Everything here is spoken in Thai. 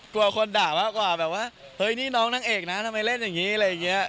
กลัวคนด่ามากกว่าแบบว่าเฮ้ยนี่น้องนางเอกนะทำไมเล่นอย่างนี้อะไรอย่างนี้